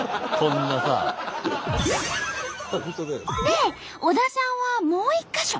で小田さんはもう１か所。